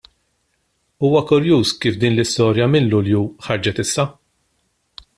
Huwa kurjuż kif din l-istorja minn Lulju ħarġet issa!